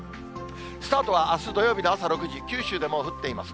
スタートはあす土曜日で朝６時、九州でもう降っています。